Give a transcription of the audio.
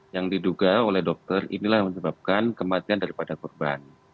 yang diduga oleh dokter inilah yang menyebabkan kematian daripada korban